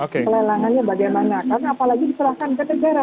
kelelangannya bagaimana karena apalagi diserahkan ke negara